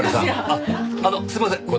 あのすいません。